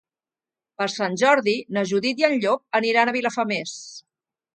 Per Sant Jordi na Judit i en Llop aniran a Vilafamés.